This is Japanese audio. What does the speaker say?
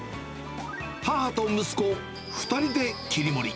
母と息子２人で切り盛り。